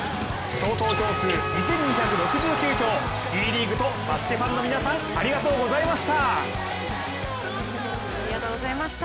総投票数２２６９票Ｂリーグとバスケファンの皆さんありがとうございました。